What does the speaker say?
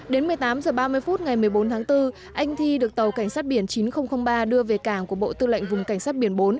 đến một mươi tám h ba mươi phút ngày một mươi bốn tháng bốn anh thi được tàu cảnh sát biển chín nghìn ba đưa về cảng của bộ tư lệnh vùng cảnh sát biển bốn